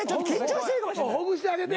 ほぐしてあげて。